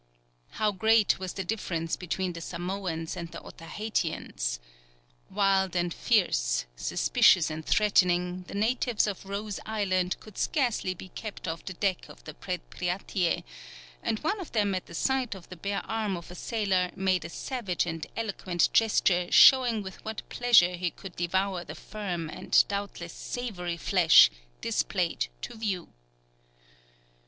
How great was the difference between the Samoans and the Otaheitians! Wild and fierce, suspicious and threatening, the natives of Rose Island could scarcely be kept off the deck of the Predpriatie, and one of them at the sight of the bare arm of a sailor made a savage and eloquent gesture showing with what pleasure he could devour the firm and doubtless savoury flesh displayed to view.